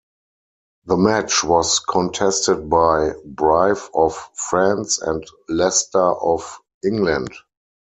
The match was contested by Brive of France and Leicester of England.